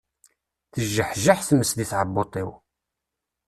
Tejjeḥjeḥ tmes di tɛebbuḍt-iw.